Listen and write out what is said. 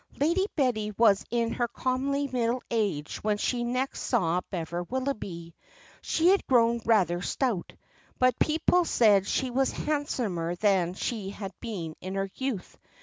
"Lady Betty was in her comely middle age when she next saw Bever Willoughby. She had grown rather stout, but people said she was handsomer than she had been in her youth.